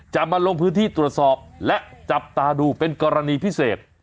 จะมาลงพื้นที่ตรวจสอบและจับตาดูเป็นกรณีพิเศษ